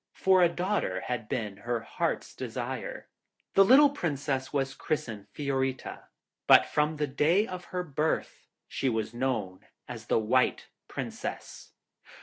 For a daughter had been her heart's desire. The little Princess was christened Fiorita, but from the day of her birth she was known as the White Princess.